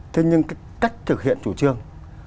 thế nhưng cái cách thực hiện chủ trương